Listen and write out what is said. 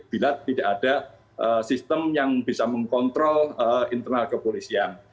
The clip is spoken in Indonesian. bila tidak ada sistem yang bisa mengkontrol internal kepolisian